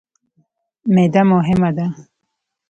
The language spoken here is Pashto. معده مهمه ده.